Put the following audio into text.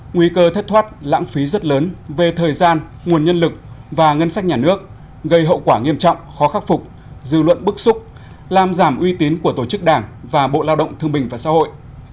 nguy cơ thất thoát lãng phí rất lớn về thời gian nguồn nhân lực và ngân sách nhà nước gây hậu quả nghiêm trọng khó khắc phục dư luận bức xúc làm giảm uy tín của tổ chức đảng và bộ lao động thương bình và xã hội